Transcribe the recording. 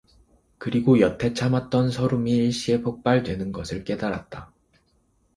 그리고 여태 참았던 설움이 일시에 폭발 되는 것을 깨달았다.